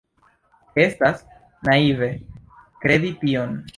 Estas naive kredi tion.